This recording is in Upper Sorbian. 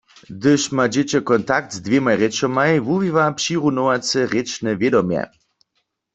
Hdyž ma dźěćo kontakt z dwěmaj rěčomaj, wuwiwa přirunowace rěčne wědomje.